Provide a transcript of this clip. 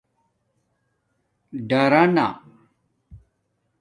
ڈرانا